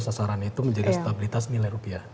sasaran itu menjadi stabilitas nilai rupiah